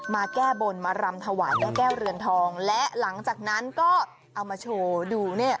แก้บนมารำถวายแม่แก้วเรือนทองและหลังจากนั้นก็เอามาโชว์ดู